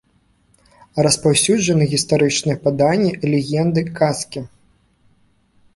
Распаўсюджаны гістарычныя паданні, легенды, казкі.